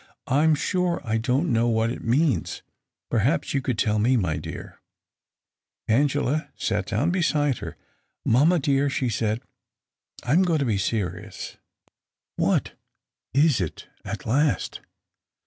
I'm sure I don't know what it means. Perhaps you could tell me, my dear." Angela sat down beside her. " Mamma, dear," she said, " I am going to be serious." THE OCTAVE OF CLAUDIUS. 197 "What? Is it? At last?"